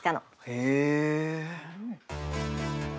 へえ。